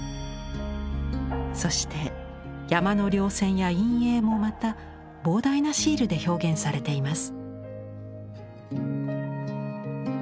そして山の稜線や陰影もまた膨大なシールで表現されています。